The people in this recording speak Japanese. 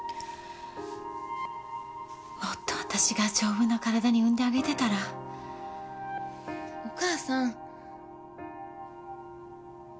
もっと私が丈夫な体に産んであげてたらお母さん！